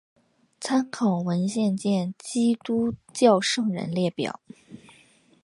参考文献见基督教圣人列表。